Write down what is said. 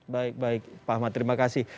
baik baik pak ahmad terima kasih